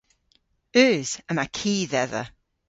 Eus. Yma ki dhedha.